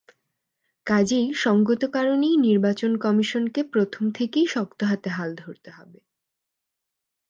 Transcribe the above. কাজেই সংগত কারণেই নির্বাচন কমিশনকে প্রথম থেকেই শক্ত হাতে হাল ধরতে হবে।